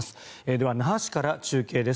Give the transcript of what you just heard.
では、那覇市から中継です。